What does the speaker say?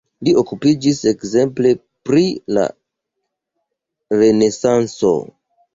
Li okupiĝis ekzemple pri la renesanco.